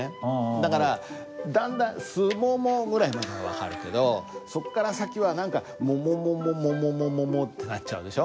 だからだんだん「すもも」ぐらいまでは分かるけどそこから先は何か「ももももももももも」ってなっちゃうでしょ。